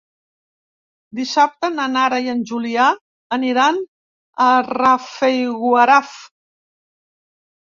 Dissabte na Nara i en Julià aniran a Rafelguaraf.